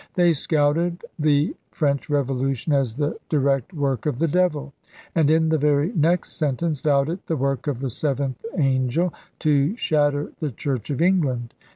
They scouted the French Revolution as the direct work of the devil; and in the very next sentence vowed it the work of the seventh angel, to shatter the Church of England.